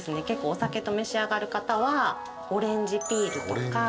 お酒と召し上がる方はオレンジピールとか。